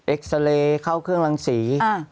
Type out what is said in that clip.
เอ็กซ์เซเลเข้าเครื่องรังสี